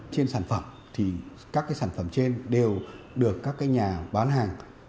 trên sản phẩm thì các sản phẩm trên đều được các nhà bán hàng